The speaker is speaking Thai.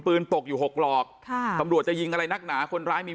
ตกอยู่หกหลอกค่ะตำรวจจะยิงอะไรนักหนาคนร้ายมี